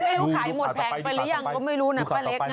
เอวไขมดแพงไปหรือยังก็ไม่รู้นะป้าเล็ก